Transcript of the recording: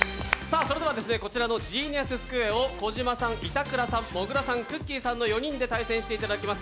それでは、こちらの「ジーニアススクエア」を小島さん、板倉さん、もぐらさん、くっきー！さんの４人で対戦していただきます。